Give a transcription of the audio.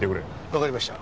わかりました。